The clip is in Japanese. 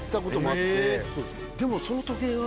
でもその時計が。